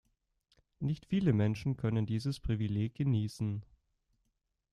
Nicht viele Menschen können dieses Privileg genießen.